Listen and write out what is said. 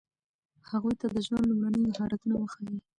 هغوی ته د ژوند لومړني مهارتونه وښایئ.